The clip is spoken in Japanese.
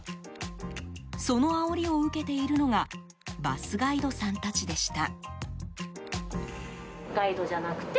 そのあおりを受けているのがバスガイドさんたちでした。